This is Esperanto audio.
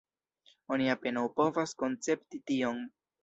Oni apenaŭ povas koncepti tion.